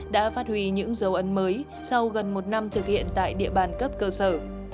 đã phát huy những dấu ấn mới sau gần một năm thực hiện tại địa bàn cấp cơ sở